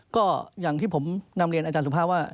ก็อย่างที่ผมนำเรียนอาจารย์สุภาพว่า